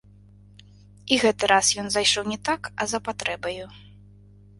І гэты раз ён зайшоў не так, а за патрэбаю.